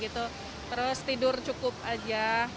terus tidur cukup aja